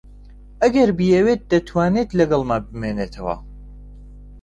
ئەگەر بیەوێت دەتوانێت لەگەڵمان بمێنێتەوە.